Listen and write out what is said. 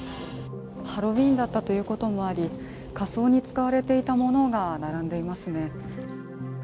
ハロウィーンだったということもあり、仮装に使われていたものが並んでいますね。